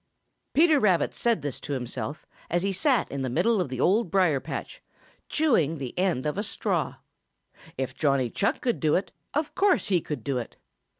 Peter Rabbit said this to himself, as he sat in the middle of the Old Briar patch, chewing the end of a straw. If Johnny Chuck could do it, of course he could do it.